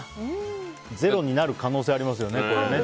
ゼロになる可能性ありますよね。